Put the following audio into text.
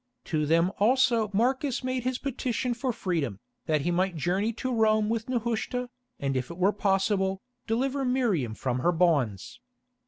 To them also Marcus made his petition for freedom, that he might journey to Rome with Nehushta, and if it were possible, deliver Miriam from her bonds.